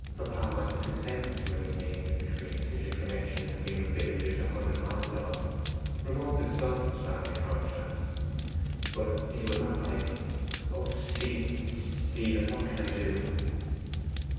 Papa might have consented to an engagement between us if your connection had been with villagers a hundred miles off; remoteness softens family contrasts. But he will not like O Stephen, Stephen! what can I do?